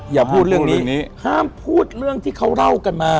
อย่าพูดเรื่องนี้ห้ามพูดเรื่องที่เขาเล่ากันมา